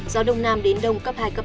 gió đông nam đến đông cấp hai cấp ba